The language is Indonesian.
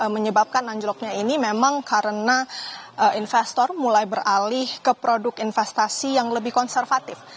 menyebabkan anjloknya ini memang karena investor mulai beralih ke produk investasi yang lebih konservatif